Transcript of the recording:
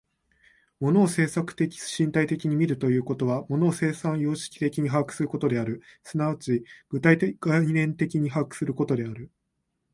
物を制作的身体的に見るということは、物を生産様式的に把握することである、即ち具体概念的に把握することである。